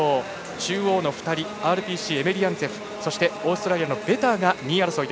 中央の２人、ＲＰＣエメリアンツェフそしてオーストラリアのベターが２位争い。